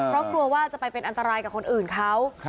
เพราะกลัวว่าจะไปเป็นอันตรายกับคนอื่นเขา